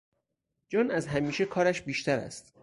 جان از همیشه کارش بیشتر است.